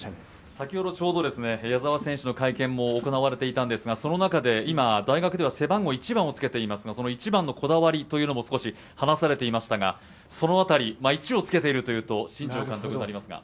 先ほどちょうど、矢澤選手の会見も行われていたんですが、その中で今、大学では背番号１番をつけていますが、その１番のこだわりというのも少し、話されていましたがその辺り、１をつけているというと新庄監督でありますが？